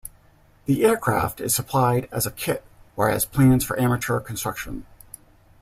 The aircraft is supplied as a kit or as plans for amateur construction.